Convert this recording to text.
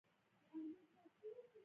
سوداګري د اقتصاد لویه برخه وه